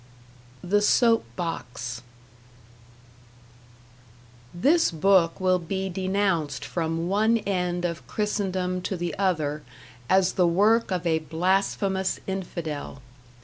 #The Soap Box# This book will be denounced from one end of Christendom to the other as the work of a blasphemous infidel.